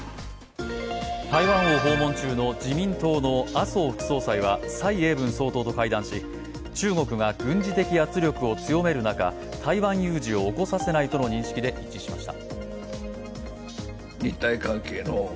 台湾を訪問中の自民党の麻生副総裁は蔡英文総統と会談し、中国が軍事的圧力を強める中、台湾有事を起こさせないとの認識で一致しました。